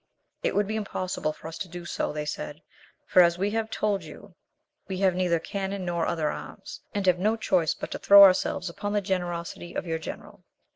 "It would be impossible for us to do so," they said, "for as we have told you, we have neither cannon nor other arms, and have no choice but to throw ourselves upon the generosity of your general.